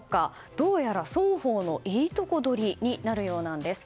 どうやら、双方のいいとこどりになるようなんです。